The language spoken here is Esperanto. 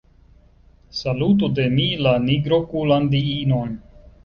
Salutu de mi la nigrokulan diinon.